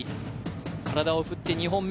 体を振って２本目。